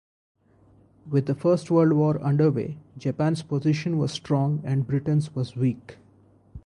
With the First World War underway, Japan's position was strong and Britain's was weak.